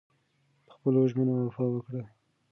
پخپلو ژمنو وفا وکړئ.